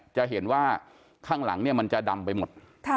จะเห็นว่าข้างหลังเนี่ยมันจะดำไปหมด